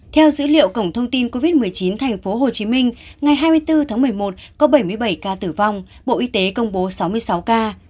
theo dữ liệu cổng thông tin covid một mươi chín tp hcm ngày hai mươi bốn tháng một mươi một có bảy mươi bảy ca tử vong bộ y tế công bố sáu mươi sáu ca